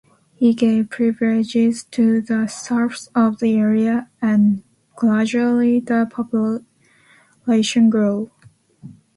He gave privileges to the serfs of the area, and gradually the population grew.